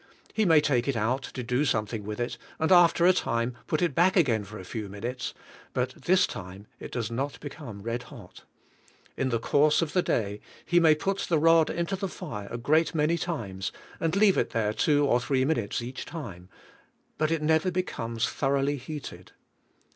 He may take it out to do something with it and after a time put it back again for a few minutes, but this time it does not become red hot. In the course of the day he may put the rod into the fire a great many times and leave it there two or three minutes each time, but it never becomes thoroughly heated.